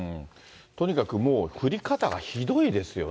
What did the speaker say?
とにかくもう降り方がひどいですよね。